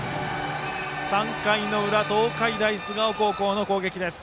３回裏、東海大菅生高校の攻撃。